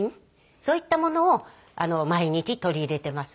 そういったものを毎日取り入れてます。